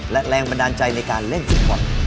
และแรงบันดาลใจในการเล่นฟุตบอล